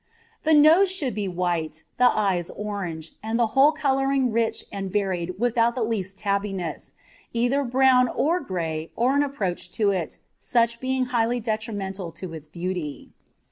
The nose should be white, the eyes orange, and the whole colouring rich and varied without the least Tabbyness, either brown or gray or an approach to it, such being highly detrimental to its beauty.